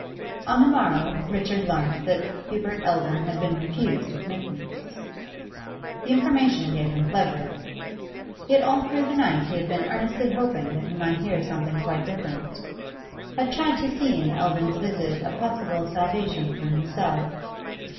On the morrow Richard learnt that Hubert Eldon had been refused admittance. The information gave him pleasure. Yet all through the night he had been earnestly hoping that he might hear something quite different, had tried to see in Eldon's visit a possible salvation for himself.